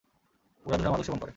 উড়াধুরা মাদক সেবন করে।